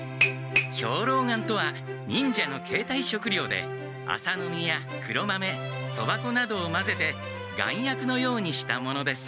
兵糧丸とは忍者のけいたい食料で麻の実や黒豆そば粉などをまぜて丸薬のようにしたものです。